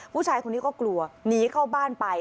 ผู้ชายคนนี้ก็กลัวหนีเข้าบ้านไป